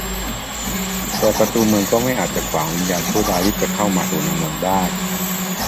แต่ประตูเมืองก็ไม่อาจจะขวางวิญญาณชั่วร้ายที่จะเข้ามาสู่ในเมืองได้